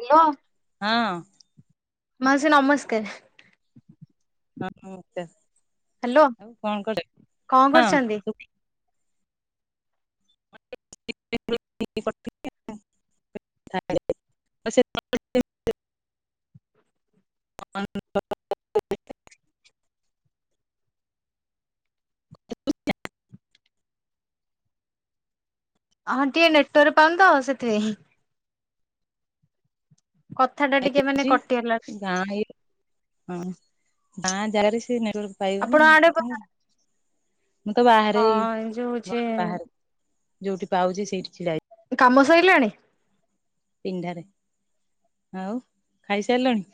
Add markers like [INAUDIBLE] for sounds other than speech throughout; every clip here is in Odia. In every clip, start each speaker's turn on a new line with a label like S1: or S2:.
S1: ହ୍ୟାଲୋ!
S2: ହଁ।
S1: ମାଉସୀ ନମସ୍କାର।
S2: ହଁ
S1: ହ୍ୟାଲୋ
S2: ନମସ୍କାର।
S1: କଣ
S2: [INAUDIBLE] ହଁ
S1: କରୁଛନ୍ତି?
S2: [INAUDIBLE] [INAUDIBLE]
S1: ହଁ ଟିକେ ନେଟୱାର୍କ ପାଉନି ତ ସେଥିପାଇଁ। କଥା ଟା ଟିକ
S2: ଜି ଗାଁ ଏଇ ହଁ ଗାଁ ଜାଗାରେ ସେ ନେ
S1: ଆପଣ
S2: ପାଇବନି
S1: ଆଡେ ହଁ
S2: [UNINTELLIGIBLE] ମୁଁ ତ ବାହାରେ ଏଇ
S1: ଯୋଉ ହଉଛି
S2: ଘର ବାହାରେ, ଯୋଉଠି ପାଉଛି ସେଇଠି ଛିଡ଼ା ହେଇଛି।
S1: କାମ ସଇଲାଣି?
S2: ପିଣ୍ଡାରେ ଆଉ ଖାଇସାରିଲଣି?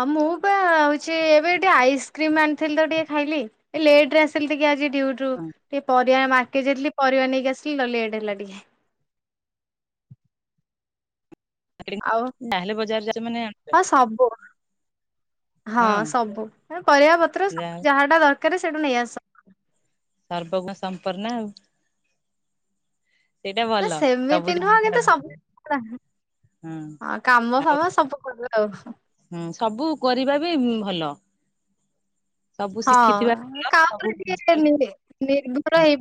S1: ଆ ମୁଁ ପା ହୋଉଛି ଏବେ ଟିକେ ଆଇସ୍କ୍ରିମ୍ ଆଣିଥିଲି ତ ଟିକେ ଖାଇଲି। ଏ ଲେଟରେ ଆସିଲି ଟିକେ ଆଜି ଡ୍ୟୁଟି ରୁ
S2: ହଁ
S1: ଟିକେ ପରିବା ମାର୍କେଟ ଯାଇଥିଲି ପରିବା ନେଇକି ଆସିଲି ତ ଲେଟ୍ ହେଲା ଟିକେ। ଆଉ
S2: ମାର୍କେଟିଙ୍ଗ ତାହେଲେ, ବଜାର ଯାଉଛମାନେ
S1: ହଁ ସବୁ। ହଁ ସବୁ ଏ ପରିବା ପତ୍ର
S2: ଯାହା
S1: ସବୁ ଯାହାଟା ଦରକାର ସେଇଠୁ ନେଇ ଆସ।
S2: ସର୍ବଗୁଣ ସଂପନ୍ନା ଆଉ। ସେଇଟା
S1: ନା
S2: ଭଲ ସବୁ
S1: ସେମିତି ନୁହ କିନ୍ତୁ
S2: ଜାଣିବାର
S1: ସବୁ। ହଁ କାମ
S2: ଆଉ
S1: ଫାମ ସବୁ କରେ ଆଉ।
S2: ହୁଁ ସବୁ କରିବା ବି ଉଁ ଭଲ। ସବୁ ଶିଖିଥିବା
S1: ହଁ କାହା
S2: ଭଲ ସବୁ
S1: ଉପରେ ଟିକେ
S2: ହଁ
S1: ନିର୍ଭର ହେଇ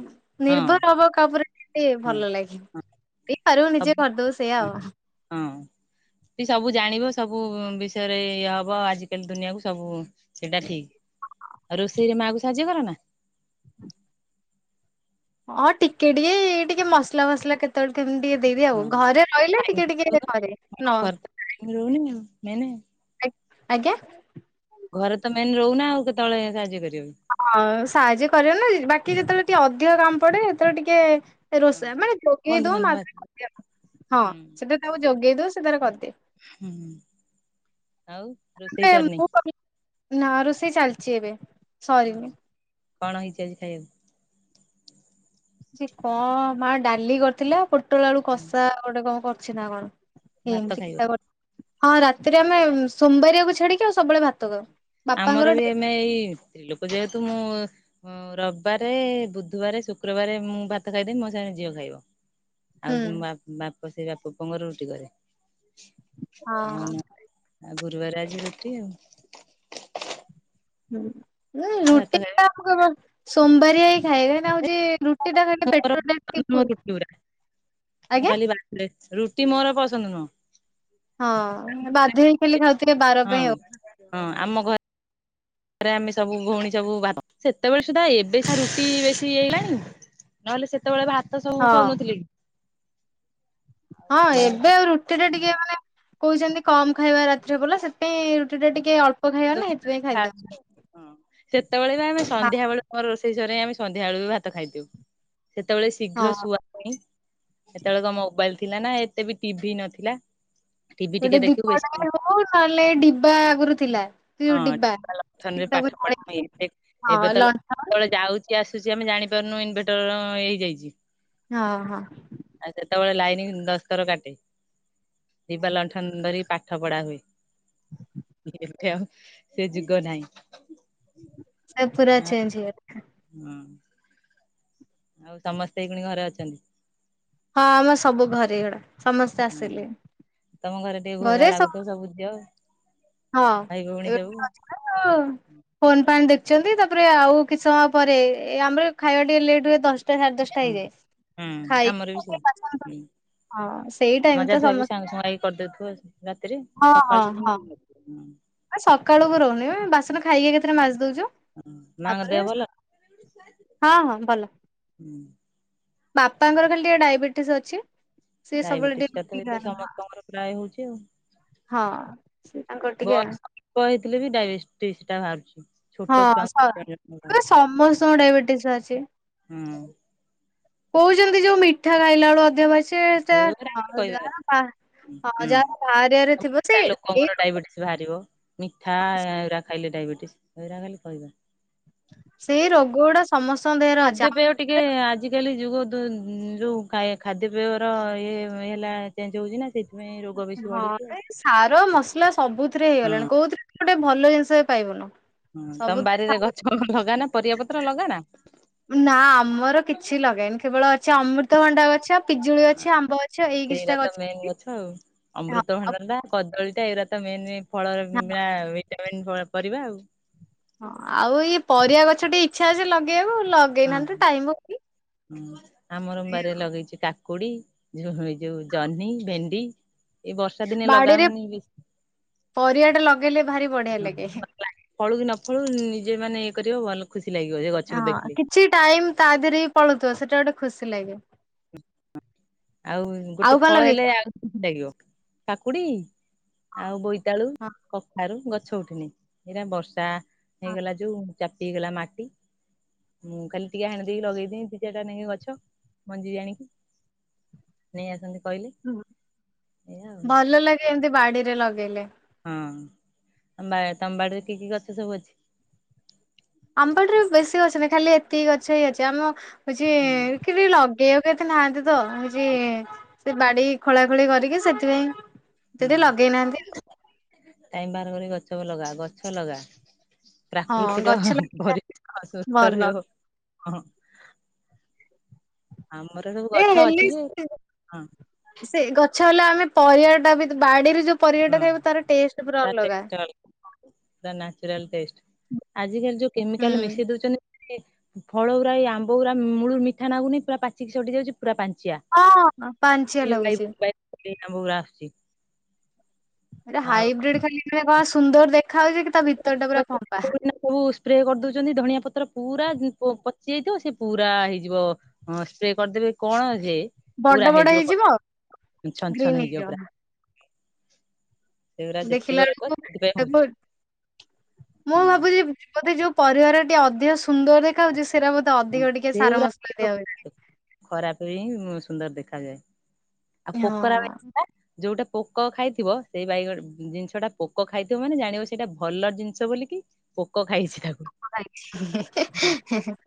S2: ହଁ
S1: ନିର୍ଭର ହବ କାହା ଉପରେ [UNINTELLIGIBLE] ଟିକେ
S2: ହଁ
S1: ଭଲ ଲାଗେ
S2: ହଁ
S1: ଦେଇପାରିବୁ ନିଜେ
S2: ସବୁ
S1: କରିଦବୁ ସେଇଆ ଆଉ
S2: ହଁ। ବି ସବୁ ଜାଣିବ ସବୁ ବିଷୟରେ ଇଏ ହବ ଆଜିକାଲି ଦୁନିଆକୁୁ ସବୁ। ସେଇଟା ଠିକ। ଆଉ ରୋଷେଇରେ ମାକୁ ସାହାଯ୍ୟ କର ନା?
S1: ହଁ ଟିକେ ଟିକେ ଏଇ ଟିକେ ମସଲା ଫସଲା କେ। କେତେବେଳେ କେମିତି ଟିକେ ଦେଇଦିଏ ଆଉ
S2: ହଁ
S1: ଘରେ ରହିଲେ
S2: ଟାଇମ୍
S1: ଟିକେ ଟିକେ କରେ ନ।
S2: ଘରେ ତ ରହୁନି ଆଉ ମେନେ।
S1: ଆକ୍ ଆଜ୍ଞା!
S2: ଘରେ ତ ମେନ୍ ରହୁନା ଆଉ କେତେବେଳେ ସାହାଯ୍ୟ କରିବ?
S1: ହଁ ସାହାଯ୍ୟ କରିବ ନା ବାକି ଯେତେବେଳେ ଟିକେ ଅଧିକ କାମ ପଡେ ସେତେବେଳେ ଟିକେ
S2: ହଁ।
S1: ରୋଷେଇ ମାନେ ଯୋଗେଇ ଦଉ ମା
S2: ବନ୍ଧୁବାନ୍ଧବ
S1: ତାର
S2: ଆସିବେ
S1: କରିଦିଏ ହଁ
S2: ହୁଁ
S1: ସେଥିରେ ତାକୁ ଯୋଗେଇ ଦଉ ସେ ତାର କରିଦିଏ।
S2: ହୁଁ ଆଉ ରୋଷେଇ ସରିନି?
S1: ମୁଁ ନା ରୋଷେଇ ଚାଲିଛି ଏବେ ସରିନି।
S2: ହଁ କଣ ହେଇଛି ଆଜି ଖାଇବାକୁ?
S1: ସେ କଣ ମା ଡାଲି କରିଥିଲା ପୋଟଳ ଆଳୁ କଷା ଗୋଟେ କଣ କରଛି ନା କଣ।
S2: ଭାତ
S1: ଏମତି
S2: ଖାଇବ।
S1: ହଁ ରାତିରେ ଆମେ ସୋମବାରିଆକୁ ଛାଡିକି ଆଉ ସବୁବେଳେ ଭାତ ଖାଉ।
S2: ଆମର
S1: ବାପାଙ୍କର
S2: ବି
S1: ଡେ
S2: ଏମେ ଏଇ ଲୋକ ଯେହେତୁ ମୁଁ ହଁ ରବିବାରେ ବୁଧବାରେ ଶୁକ୍ରବାରେ ମୁଁ ଭାତ ଖାଇଦେବି ମୋ ସାଙ୍ଗେ ଝିଅ ଖାଇବ। ଆଉ
S1: ହୁଁ
S2: ସେ ବାପ ବାପ ସେ ବାପ ପୁଅଙ୍କର ରୁଟି କରେ ଆଉ
S1: ହଁ
S2: ଆଉ ଗୁରୁବାର ଆଜି ରୁଟି ଆଉ ହଁ ଭାତ
S1: ରୁଟି
S2: ଖାଇବା।
S1: ତ ଆ ସୋମବାରିଆ ହିଁ ଖାଇବେ ନା ଆଉ ସେଟା ଖ
S2: ମୋର
S1: ପେଟଟା
S2: ପସନ୍ଦ
S1: ଟିକେ
S2: ନୁହଁ
S1: ପୁର ଆଜ୍ଞା?
S2: ଖ ରୁଟି ମୋର ପସନ୍ଦ ନୁହଁ।
S1: ହଁ ବାଧ୍ୟ ହେଇ ଖାଲି ଖାଉଥିବେ ବାର
S2: ହଁ।
S1: ପାଇଁ ଆଉ।
S2: ହଁ ଆମ ଘରେ ରେ ଆମେ ସବୁ ଭଉଣୀ ସବୁ ଭା ସେତେବେଳେ ସୁଦ୍ଧା ଏବେ ସ ରୁଟି ବେଶୀ ହେଇଗଲାଣି। ନହେଲେ ସେତେବେଳେ ଭାତ
S1: ହଁ
S2: ସବୁ ଖାଉନଥିଲେ କି। ଆଉ
S1: ହଁ
S2: ଏଇ
S1: ଏବେ ଆଉ ରୁଟିରେ ଟିକେ ମାନେ କହୁଚନ୍ତି କମ୍ ଖାଇବା ରାତି୍ରିରେ ବୋଲେ ସେ ସେଥି ପାଇଁ ରୁଟି ଟା ଟିକେ ଅଳ୍ପ ଖାଇବା ନା ସେଥିପାଇଁ ଖାଇଦିଅ।
S2: ହଁ ସେତେବେଳେ ବି ଆମେ ସନ୍ଧ୍ୟାବେଳୁ ମୋର ରୋଷେଇ ସରେ ଆମେ ସନ୍ଧ୍ୟା ବେଳୁ ବି ଭାତ ଖାଇଦୋଉ। ସେତେବେଳେ
S1: ହଁ
S2: ଶୀଘ୍ର ଶୁଆ ହୁଏ ସେତେବେଳେ କଣ ମୋବାଇଲି ଥିଲା ନା ଏତେ ବି ଟିଭି ନଥିଲା। ଟି ଭି ଟିକେ ଦେଖିବୁ ଏସ୍ତେ
S1: ଉ ତାହେଲେ ଡିବା ଆଗୁରୁ ଥିଲା। ହୁଁ
S2: ହଁ
S1: ଡିବା
S2: ଲଣ୍ଠନରେ
S1: ଡିବା
S2: ପାଠ ପଢା
S1: ଫାଳେଥିବ ହଁ ଲଣ୍ଠନର
S2: କିଏ ଆସୁଚି ଆମେ ଜାଣିପାରୁନୁ ଇନଭେଟର ଇଏ ହେଇଯାଇଚି।
S1: ହଁ ହଁ।
S2: ଆଉ ସେତେବେଳେ ଲାଇନି କି ଦଶଥର କାଟେ। ଡିବା ଲଣ୍ଠନ ଧରି କି ପାଠ ପଢା ହୁଏ। ଧିରେ ଧିରେ ଆଉ ସେ ଯୁଗ ନାହିଁ।
S1: ସବୁ ପୁରା ଚେଞ୍ଚେ ହେଇଗଲା।
S2: ଉଁ। ଆଉ ସମସ୍ତେ ଏଇ ଖିଣି ଘରେ ଅଛନ୍ତି?
S1: ହଁ ଆମେ ସବୁ ଘରେଏଡା।
S2: ତମ ଘରେ ଟିକେ ଘୋ ଘା ଲାଗୁଥିବ ସବୁ ଥିବ।
S1: ହଁ ଏବେ ପହଁଚିନୁ ଆଉ। ଫୋନ୍ ଫାନ୍ ଦେଖୁଛନ୍ତି ତାପରେ ଆଉ କିଛି ସମୟ ପରେ ଆମର ଖାଇବା ଟିକେ ଲେଟ୍ ହୁଏ ଦଶ ଟା ସାଢେ ଦଶଟା
S2: ହଁ
S1: ହେଇଯାଏ
S2: ହୁଁ ଆମର ବି ସେଇ
S1: ଖାଇକି [INAUDIBLE]
S2: ହୁଁ
S1: ହଁ ସେଇ ଟାଇମି ତ ସମସ୍ତ।
S2: କରିଦେଉଥିବ ରାତିରେ ସଖାଳୁକୁ ଯେମିତି କିଛି ନଥିବ।
S1: ଆ ସକାଳକୁ ରହୁନି ବାସନ ଖାଇକି ଏକାଥରେ ମାଜି ଦଉଚୁ
S2: ମାଙ୍କ ଦେହ
S1: ତାପରେ
S2: ଭଲ
S1: ହଁ ହଁ ଭଲ।
S2: [INAUDIBLE]
S1: ବାପାଙ୍କର ଖାଲି ଟିକେ ଡାଇବେଟିସ୍ ଅଛି ସିଏ ସବୁବେଳେ ଟିକେ ଇପିଖାଆନ୍ତି।
S2: ପ୍ରାୟେ ହୋଉଚି ଆଉ।
S1: ହଁ ସେ ତାଙ୍କର ଟିକିଏ।
S2: କହିଥିଲେ ବି ଡାଇବେଟିସିଟା ବାହାରୁଚି।
S1: ହଁ ସ ପୁରା ସମସ୍ତଙ୍କର ଡାଇବେଟିସ୍ ବାହାରୁଚି।
S2: ହୁଁ
S1: କହୁଛନ୍ତି ଯୋଉ ମିଠା ଖାଇଲା ବେଳୁ ଅଧିକଵାହାରୁଚି ସେଟା
S2: ସେଗୁରା କିଛି କହିବା କଥା
S1: ହଁ
S2: ହୁଁ
S1: ଯାହାର ବାହାରିଆରେ ଥିବ ସେ
S2: ମୋଟା
S1: ସେଇ
S2: ଲୋକଙ୍କର ଡାଇବେଟିସ୍ ବାହାରିବ ମିଠା ଏରା ଖାଇଲେ ଡାଇବେଟିସ୍ ହେରା ଖାଲି କହିବାକଥା।
S1: ସେଇ ରୋଗ ଗୁଡା ସମସ୍ତଙ୍କ ଦେହରେ ଅଛି ଯା।
S2: ଖାଦ୍ୟପେୟ ଟିକେ ଆଜିକାଲି ଯୁଗ ଯୋଉ ଖାଦ୍ୟପେୟର ଇଏ ହେଲା ଚେଞ୍ଜେ ହେଉଚି ନା ସେ
S1: ହଁ ଏ ସାର ମସଲା ସବୁଥିରେ
S2: ହଁ
S1: ହେଇଗଲାଣି କୋଉଥିରେ ଗୋଟେ ଭଲ ଜିନିଷ ବି ପାଇବୁନେହୁଁ।
S2: ତମ ବାରିରେ ଗଛ ଫଛ ଲଗାନା ପରିବା ପତ୍ର ଲଗାନା?
S1: ନା ଆମର କିଛି ଲଗେଇନି କେବଳ ଅଛି ଅମୃତଭଣ୍ଡା ଗଛ। ପିଜୁଳି ଗଛ ଆମ୍ବ ଗଛ ଏଇ କିଛିଟା ଗଛ।
S2: ଫାଇନି
S1: ଅଛି
S2: ଗଛ ଆଉ।
S1: ହଁ ଆଉ
S2: ଅମୃତଭଣ୍ଡାଟା କଦଳୀଟା ଏଗୁରା ତ ମେନେ ଫଳ ଭିଟାମିନ୍ ପରିବା ଆଉ।
S1: ହଁ ଆଉ ଇଏ ପରିବା ଗଛ ଟିକେ ଇଚ୍ଛା ଅଛି ଲଗେଇବାକୁ। ଲ
S2: ହଁ ଆମର ଭାରି ରେ ଲଗେଇ କା କୁଡି ଯୋଉ ଜହ୍ନି ଭେଣ୍ଡି। ଏଇ ବର୍ଷା ଦିନେ ଲଗା
S1: ବାଡିରେ
S2: ହଉନି ବେଶୀ
S1: ପରିବା ଟା ଲଗେଇଲେ ଭାରି ବଢିଆ ଲାଗେ।
S2: ଫଳୁ କି ନ ଫଳୁ ନିଜେ ମାନେ ଇଏ କରିବ ଭଲ ଖୁସି ଲାଗିବ ସେ ଗଛକୁ
S1: ହଁ
S2: ଦେଖିଲେ।
S1: କିଛି ଟାଇମ ତା ଦେହରେ ହି ପଳୁଥିବ ସେଇଟା ଗୋଟେ ଖୁସି ଲାଗେ।
S2: ଆଉ ଗୋଟେ
S1: ଆଉ କଣ
S2: ଫଳ ହେଲେ
S1: ଲଗେଇଛ
S2: ଆ ଲାଗିବ କାକୁଡି ଆଉ ବୋଇତାଳୁ
S1: ହଁ
S2: କଖାରୁ ଗ ଛ ଉଠିନି ଏଇରା ବର୍ଷା ହେଇଗଲା ଯୋଉ ଚାପି ହେଇଗଲା ମାଟି ମୁଁ ଖାଲି ଟିକେ ହାଣି ଦେଇକି ଲଗେଇଦି ଦି ଚାରିଟା ନେଇି ଗଛ। ମଞ୍ଜି ଆଣିକି ନେଇ ଆସନ୍ତି କହିଲେ। ଏଇଆ ଆଉ
S1: ଭଲ ଲାଗେ ଏମତି ବାଡିରେ ଲଗେଇଲେ।
S2: ହଁ ତମ ବାଡିରେ କି କି ଗଛ ସବୁ ଅଛି?
S1: ଆମ ବଡି ରେ ବେଶୀ ଗଛ ନାହିଁ ଖାଲି ଏତିକି ଗଛ ହିଁ ଅଛି ଆମ ହଉଛି
S2: ହଁ
S1: କି ଲଗେଇବାକୁ କେତେ ନାହାନ୍ତି ତ କିଛି ସେ ବାଡି ଖୋଳା ଖୋଳି କରିକି ସେଥିପାଇଁ ଯଦି
S2: ହଁ
S1: ଲଗେଇନାହାନ୍ତି।
S2: ଟାଇମ ବାହାର କରି ଗଛକୁ ଲଗା ଗଛ ଲଗା।
S1: ହଁ
S2: ପ୍ରାକୃତିକ
S1: ଗଛ ଲଗେଇବା
S2: ପରିବେଶ ସୁୁସ୍ଥ
S1: ଭଲ
S2: ରହିବ। ହ ଆମର ସବୁ
S1: ଏ
S2: ଗଛ
S1: ହେଲେ
S2: ଅଛି ଯେ
S1: ସେ
S2: ହଁ।
S1: ସେ ଗଛ ହେଲେ ଆମେ ପରିବା ଟା ବି ବାଡିରେ ଯୋଉ ପରିବା ଟା
S2: ହଁ
S1: ଖାଇବୁ ତାର ଟେଷ୍ଟ ପୁରା ଅଲଗା।
S2: ତା ନ୍ୟାଚୁରାଲ୍ ଟେଷ୍ଟ ଆଜିକାଲି ଯୋଉ
S1: ହୁଁ
S2: କେମିକାଲ ମିଶି ଦଉଛନ୍ତି। ଫଳ ଗୁରା ଏଇ ଆମ୍ବ ଗୁରା ମୂଳୁ ମିଠା ନାଗୁନି ପୁରା ପାଚିକି ଶଢ଼ୀ ଯାଉଛି ପୁରା ପାଞ୍ଚିଆ।
S1: ହଁ ପାଞ୍ଚିଆ ଲାଗୁଛି।
S2: [UNINTELLIGIBLE]
S1: ଏ
S2: ଆଉ
S1: ହାଇବ୍ରିଡ୍ ଖାଲି କଣ ସୁନ୍ଦର ଦେଖା ହାଉଛି ତା ଭିତର ଟା ପୁରା
S2: [UNINTELLIGIBLE]
S1: ଫମ୍ପା
S2: ସବୁ ସ୍ପ୍ରେ କରିଦଉଛନ୍ତି ଧଣିଆ ପତ୍ର ପୁରା ପଚି ଯାଇଥିବ ସେ ପୁରା ହେଇଯିବ ହଁ ସ୍ପ୍ରେ କରିଦେବେ କଣ ଯେ ପୁରା
S1: ବଡ ବଡ
S2: ହେଇଯିବ ଛନ ଛନ ହେଇଯିବ ପୁରା। ସେଇଗୁରା
S1: ଦେଖିଲା
S2: ସେତିକି ରୋଗ
S1: ବେଳକୁ
S2: ସେଥିପାଇଁ
S1: ତାକୁ
S2: ହଉଛି।
S1: ମୁଁ
S2: ହୁଁ
S1: ଭାବୁଛି ବୋଧେ ଯୋଉ ପରିବାର ଟେ ଅଧିକ ସୁନ୍ଦର ଦେଖା ହାଉଛି ସେରା ବ ତ
S2: ହଁ
S1: ଅଧିକ ଟିକେ ସାର
S2: ସେଗୁରା
S1: ମସଲା ଦିଆ ହଉଛି।
S2: ଖରାପ ବି ସୁନ୍ଦର ଦେଖାଯାଏ ଆଉ
S1: ହଁ
S2: ପୋକରା ଯୋଉଟା ପୋକ ଖାଇଥିବ ସେଇ ବାଇଗ ଜିନିଷ ଟା ପୋକ ଖାଇଥିବ ମାନେ ଜାଣିବ ସେଇଟା ଭଲ ଜିନି ସ ବୋଲିକି ପୋକ ଖାଇଛି ତାକୁ ହଁ
S1: ନାଇଁ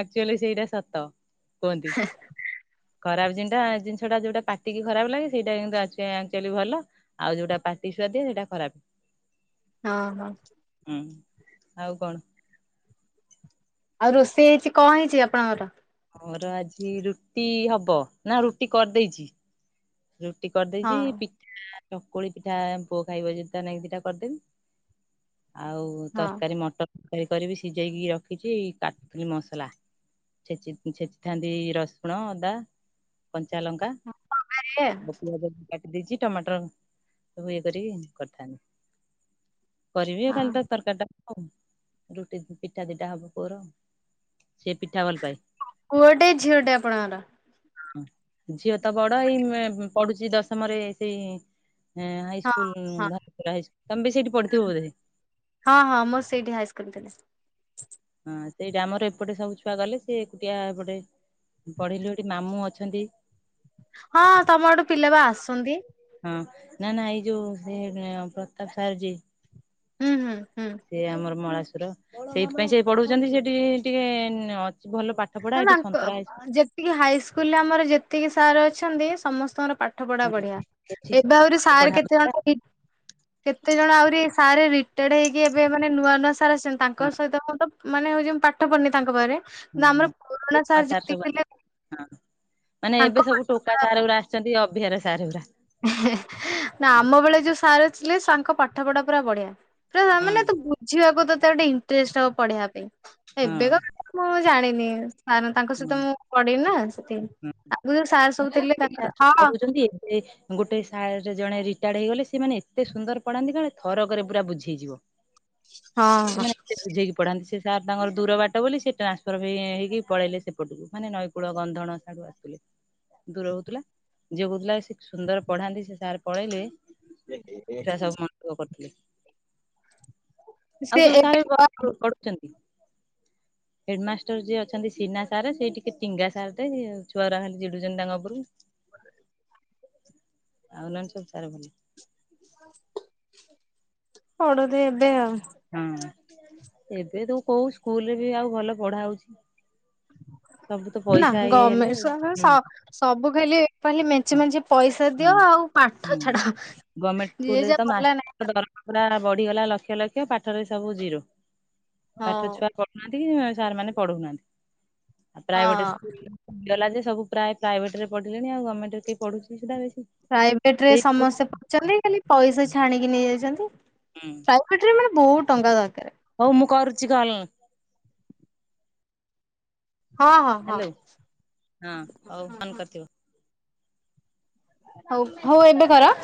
S2: ଆକ୍ଚୁଆଲି ସେଇଟା ସତ କୁହନ୍ତି ଖରାପ ଜିନଟା ଟା ଯୋଉଟା ପାଟି ଖରାପ ଲାଗେ ସେଇଟା କିନ୍ତୁ ଆକଚୁଆଲି ଭଲ ଆଉ ଯୋଉଟା ପାଟି ସୁୁଆ ଦିଏ ସେଇଟା ଖରାପ।
S1: ହଁ-ହଁ।
S2: ହୁଁ ଆଉ କଣ?
S1: ଆଉ ରୋଷେଇ ହେଇଛି କଣ ହେଇଛି ଆପଣଙ୍କର?
S2: ମୋର ଆଜି ରୁଟି ହବ ନା ରୁଟି କରିଦେଇଛି। ରୁଟି କରିଦେଇଛି
S1: ହଁ
S2: ପିଠା ଚକୁଳି ପିଠା ପୁଅ ଖାଇବ ଯଦି ତା ନାଗି ଦିଟା କରିଦେବି। ଆଉ
S1: ହଁ
S2: ତରକାରୀ ମଟର କରିବି ସିଝେଇକି ରଖିଛି କାଟୁଥିଲି ମସଲା। ଛେଚି ଛେଚି ଥାନ୍ତି ରସୁଣ ଅଦା କଞ୍ଚାଲଙ୍କା।
S1: ତରକାରୀ
S2: ଅଔ ପିଆଜ କାଟି ଦେଇଛି ଟମାଟର ସବୁ ଇଏ କରିକି କରିଥାନ୍ତି। କରିବି ଆଉ ଖାଲି
S1: ହଁ
S2: ତ ତରକାରୀ ଟା ହ ରୁଟି ପିଠା ଦିଟା ହବ ପୁଅ ର ସେ ପିଠା ଭଲ ପାଏ।
S1: ପୁଅଟେ ଝିଅଟେ ଆପଣଙ୍କର?
S2: ଝିଅ ତ ବଡ ଏଇ ଏ ପଢୁଛି ଦଶମରେ ସେଇ ହଁ ହାଇସ୍କୁଲ୍ [INAUDIBLE] ପୁର ହାଇସ୍ ତୋମେ ବି ସେଇଠି ପଢିଥିବ ବୋଧେ ସେଇ
S1: ହଁ ହଁ ମୋର ସେଇଠି ହାଇସ୍କୁଲ୍ ବି ଥିଲା।
S2: ହଁ ସେଇଟା ଆମର ଏପଟେ ସବୁ ଛୁଆ ଗଲେ ସେ ଏକୁଟିଆ ଏପଟେ ପଢିଲି ସେଠି ମାମୁଁ ଅଛନ୍ତି।
S1: ହଁ ତୋମର ସେଠୁ ପିଲା ବା ଆସନ୍ତି।
S2: ହଁ ନା ନା ଏଇ ଯୋଉ ସେ ଏଁ ପ୍ରତାପ ସାର୍ ଜୀ
S1: ହୁଁ, ହୁଁ, ହୁଁ।
S2: ସେ ଆମର ମଳାଶୁର, ସେଇଥିପାଇଁ ସେ ପଢଉଛନ୍ତି ସେଠି ଟିକେ ଅଛ ଭଲ ପା
S1: ମାନେ ଆଙ୍କ ଯେତିକି ହାଇସ୍କୁଲ୍ ରେ ଆମର ଯେତିକି ସାର୍ ଅଛନ୍ତି ସମସ୍ତଙ୍କର ପା ଠ ପଢା ବଢିଆ
S2: ଏଠି
S1: ଏବେ
S2: ସବୁ
S1: ଆଉରି
S2: ଭଲ
S1: ସାର୍
S2: ପଢା
S1: କେତେ
S2: ହଉଥିଲା
S1: ଜଣ [UNINTELLIGIBLE] କେତେ ଜଣ ଆହୁରି ସାରେ ରିଟାୟାର୍ଡ ହେଇକି ଏବେ ମାନେ ନୂଆ ନୂଆ ସାର୍ ଆସିଛନ୍ତି
S2: ହଁ
S1: ତାଙ୍କ ସହିତ ମୁଁ ତ ମାନେ ହଉଛି ମୁଁ ପାଠ ପଢନି ତାଙ୍କ ପାଖରେ।
S2: ହୁଁ,
S1: କିନ୍ତୁ ଆମର
S2: ହୁଁ
S1: ପୁରୁଣା
S2: [UNINTELLIGIBLE] କା ସାର୍
S1: ଯେତିକି
S2: ସବୁ
S1: ଥିଲେ
S2: ହଁ ମାନେ
S1: ତାଙ୍କ
S2: ଏବେ ସବୁ
S1: ପାଠ
S2: ଟୋକା
S1: ପଢା
S2: ସାର୍ ଉଡା ଛନ୍ତି ଅଭିଆରା ସାର୍ ଗୁରା।
S1: ନା ଆମ ବେଳେ ଯୋଉ ସାର୍ ଥିଲେ ତାଙ୍କ ପାଠ ପଢା ପୁରା ବଢିଆ। ତୁ ଆ ମାନେ
S2: ହଁ
S1: ତୁ ବୁଝିବାକୁ ତୋତେ ଗୋଟେ ଇଣ୍ଟରେଷ୍ଟ ହବ ପଢିବା ପାଇଁ।
S2: ହଁ
S1: ଏବେକା [INAUDIBLE] ମୁଁ ଜାଣିନି। ସାର୍ ତାଙ୍କ
S2: ହଁ
S1: ସହିତ ମୁଁ ପଢିନି ନା ସେଥିଲାଗି।
S2: ହଁ।
S1: ଆଗୁରୁ ଯୋଉ ସାର୍ ସବୁ ଥିଲେ ତାଙ୍କର ହଁ
S2: ଏ ଗୋଟେ ସାରେ ସେ ଜଣେ ରିଟାୟାର୍ଡ ହେଇଗଲେ ସେମାନେ ଏତେ ସୁନ୍ଦର ପଡାନ୍ତି କଣ ଥରକରେ ପୁରା ବୁଝେଇଯିବ।
S1: ହଁ
S2: ସେମାନେ ଏତେ ବୁଝେଇକି ପଢାନ୍ତି ସେ ସାର୍ ତାଙ୍କର ଦୂର ବାଟ ବୋଲି ସେ ଟ୍ରାନ୍ସଫର୍ ବି ଏ, ହେଇକି ପଳେଇଲେ। ସେପଟକୁ ମାନେ ନଈକୂଳ ଗନ୍ଧଣ ସାଡୁ ଆସୁଥିଲେ। ଦୂର ହଉଥିଲା। ଝିଅ କହୁଥିଲା ସେ ସୁନ୍ଦର ପଢାନ୍ତି ସେ ସାର୍ ପଳେଇଲେ। ଛୁଆ ସବୁ ମନ ଦୁଃଖ କରୁଥିଲେ ଆଉ
S1: ସେ
S2: ସବୁ
S1: ଏବେ
S2: ସାରେ [INAUDIBLE] ପଢୁଚନ୍ତି। ହେଡମାଷ୍ଟର୍ ଯିଏ ଅଛନ୍ତି ସିନା ସାର୍ ସେଇ ଟିକେ ଟିଙ୍ଗା ସାର୍ ଟେ ଇ- ଛୁଆରା ଖାଲି ଚିଡୁଛନ୍ତି ତାଙ୍କ ଉପରୁକୁ।
S1: ଆ
S2: ଆଉ ନନେ ସବୁ ସାର୍ ଭଲ।
S1: ପଡନ୍ତି ଏବେ ଆଉ।
S2: ହଁ ଏବେ ତୁ କୋଉ ସ୍କୁଲ୍ ରେ ବି ଆଉ ଭଲ ପଢା ହଉଛି। ସବୁ ତ
S1: ନା
S2: ପଇସା ଇଏ ହେଲେ
S1: ଗମେଣ୍ଟ
S2: ହୁଁ
S1: ସହେ ସ-ସବୁ ଖାଲି ଖାଲି ମେଞ୍ଚେ
S2: ହଁ
S1: ମେଞ୍ଚେ ପଇସା
S2: ହଁ
S1: ଦିଅ ଆଉ ପାଠ
S2: ହୁଁ
S1: ଛାଡ।
S2: ଗମେଣ୍ଟ ସ୍କୁଲ୍
S1: ଯିଏ
S2: ରେ
S1: ଯା
S2: ତ
S1: କଲା
S2: ମାଷ୍ଟ
S1: ନାଇଁ
S2: ର ଦକାର। ପୁରା ଏଡା ବଢିଗଲା ଲକ୍ଷ ଲକ୍ଷ ପାଠରେ ସବୁ ଜିରୋ। ପାଠ
S1: ହଉ।
S2: ଛୁଆ ପ ନାହାନ୍ତି କି ଏ ସାର୍ ମାନେ ପଢଉନାହାନ୍ତି। ପ୍ରାଇଭେଟ
S1: ହଁ
S2: ସ୍କୁଲ୍ ହେଲା ଯେ ସବୁ ପ୍ରାୟ ପ୍ରାଇଭେଟ ରେ ପଢିଲେଣି ଆଉ ଗମେଣ୍ଟ ରେ କେହି ପଢୁଛି କିବା ବେଶୀ।
S1: ପ୍ରାଇଭେଟ ରେ
S2: ସେଇ ହୁଁ
S1: ସମସ୍ତେ ପଢୁଛନ୍ତି। ଖାଲି ପଇସା ଛାଣିକି ନେଇଯାଇଛନ୍ତି।
S2: ହୁଁ।
S1: ପ୍ରାଇଭେଟ ରେ ମାନେ ବହୁତ ଟଙ୍କା ଦରକାର।
S2: ହଉ ମୁଁ କରୁଛି [UNINTELLIGIBLE]
S1: ହଁ, ହଁ,
S2: ହ୍ୟାଲୋ ହଁ ହଉ ଫୋନ
S1: ହଁ।
S2: କରିଥିବ
S1: ହଉ ହଉ ଏବେ କର।